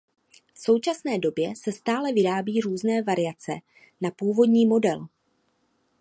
V současné době se stále vyrábí různé variace na původní model.